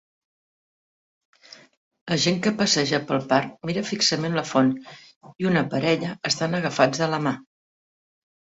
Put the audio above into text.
La gent que passeja pel parc mira fixament la font i un parella estan agafats de la mà.